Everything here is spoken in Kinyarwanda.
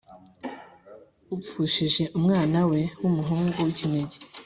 upfushije umwana we w’umuhungu w’ikinege,